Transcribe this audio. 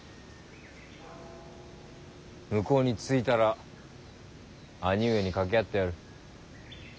向こうに着いたら兄上に掛け合ってやる。